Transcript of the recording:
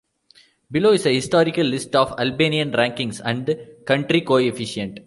Below is a historical list of Albanian rankings and country coefficient.